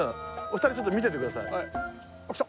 二人ちょっと見ててくださいあっ来た！